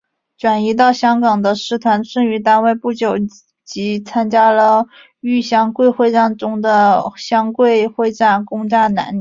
转移到香港的师团剩余单位不久即参加了豫湘桂会战中的湘桂会战攻占南宁。